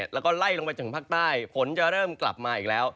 แล้วก็ไล่ลงไปถึงภาคใต้ฝนจะเริ่มกลับมาอีกแล้ว